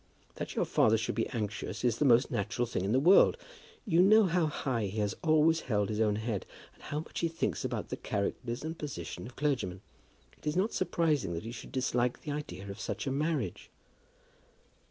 That your father should be anxious is the most natural thing in the world. You know how high he has always held his own head, and how much he thinks about the characters and position of clergymen. It is not surprising that he should dislike the idea of such a marriage."